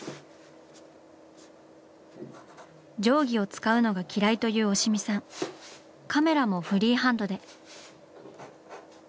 定規を使うのが嫌いという押見さんカメラもフリーハンドで。